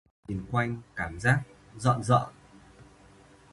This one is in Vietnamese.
Tôi đảo mắt nhìn quanh cảm giác rợn rợn